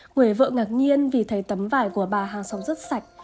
người vợ ngạc nhiên vì thấy tấm vải của bà hàng sống rất sạch